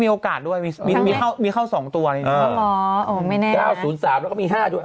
มีโอกาสด้วยมีมีเข้าสองตัวเออหรอโอ้ยไม่แน่แก้วศูนย์สามแล้วก็มีห้าด้วย